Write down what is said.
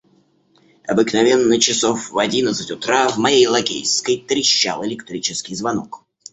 Обыкновенно часов в одиннадцать утра в моей лакейской трещал электрический звонок.